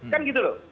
kan gitu loh